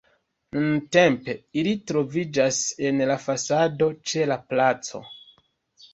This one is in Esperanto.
Nuntempe ili troviĝas en la fasado ĉe la placo.